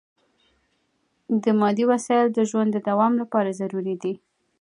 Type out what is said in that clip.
دا مادي وسایل د ژوند د دوام لپاره ضروري دي.